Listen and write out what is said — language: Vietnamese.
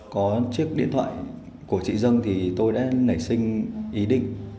có chiếc điện thoại của chị dân thì tôi đã nảy sinh ý định